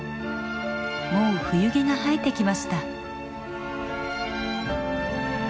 もう冬毛が生えてきました。